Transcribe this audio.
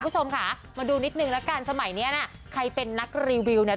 คุณผู้ชมค่ะมาดูนิดนึงละกันสมัยเนี้ยน่ะใครเป็นนักรีวิวเนี่ย